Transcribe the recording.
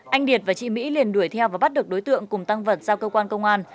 anh liệt và chị mỹ liền đuổi theo và bắt được đối tượng cùng tăng vật giao cơ quan công an